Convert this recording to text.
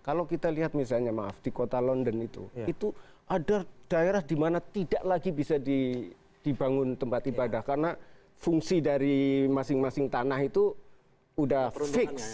kalau kita lihat misalnya maaf di kota london itu itu ada daerah di mana tidak lagi bisa dibangun tempat ibadah karena fungsi dari masing masing tanah itu sudah fix